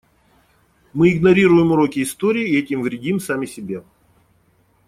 Мы игнорируем уроки истории и этим вредим сами себе.